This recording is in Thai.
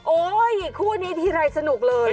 คู่นี้ทีไรสนุกเลย